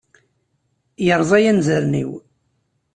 Yerẓa-iyi anzaren-iw!